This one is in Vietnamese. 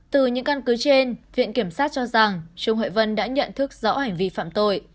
từ những căn cứ trên viện kiểm sát cho rằng trương huệ vân đã nhận thức rõ hành vi phạm tội